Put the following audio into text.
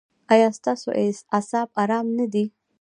ایا ستاسو اعصاب ارام نه دي؟